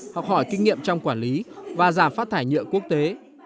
học hỏi kinh nghiệm trong quản lý và giảm phát thải nhựa quốc tế